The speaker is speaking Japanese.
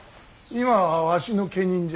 今はわしの家人じゃ。